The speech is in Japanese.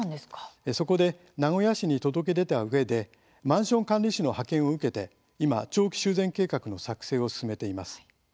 そこで名古屋市に届け出たうえでマンション管理士の派遣を受けて今、長期修繕計画の作成を進めています。